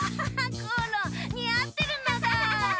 コロンにあってるのだ！